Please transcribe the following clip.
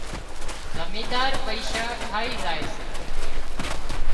زمينۮار پئيشا کائي زائي سي